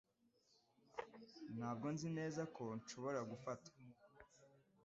Ntabwo nzi neza ko nshobora gufata .